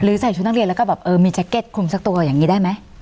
ใส่ชุดนักเรียนแล้วก็แบบเออมีแจ็คเก็ตคุมสักตัวอย่างนี้ได้ไหม